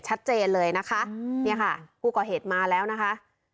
ชัดเจนเลยนะคะเนี่ยค่ะผู้ก่อเหตุมาแล้วนะคะ